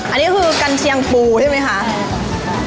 อันนี้คือกันเชียงปูใช่ไหมคะครับใช่ครับ